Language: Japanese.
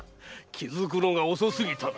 気付くのが遅すぎたな。